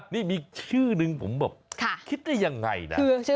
นี่มีชื่อนึงผมแบบคิดได้ยังไงนะ